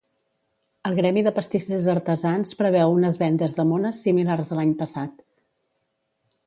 El Gremi de Pastissers Artesans preveu unes vendes de mones similars a l'any passat.